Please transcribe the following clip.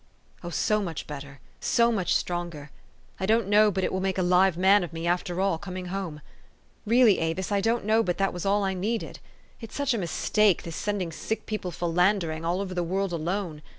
" Oh, so much better so much stronger ! I don't know but it will make a live man of me, after all, coming home. Really, Avis, I don't know but that was all I needed. It's such a mistake, this sending sick people philandering all over the world alone.